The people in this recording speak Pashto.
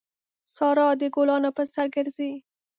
سارا د ګلانو پر سر ګرځي.